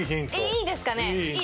いいですかね？